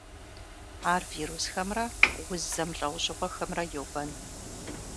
Ар вирусхэмрэ уз зэмылӏэужьыгъуэхэмрэ йобэн.